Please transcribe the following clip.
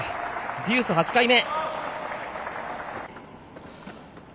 デュース、８回目。